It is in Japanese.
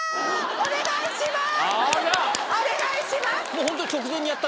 お願いします！